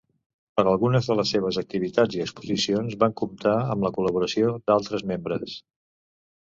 Per algunes de les seves activitats i exposicions van comptar amb la col·laboració d'altres membres.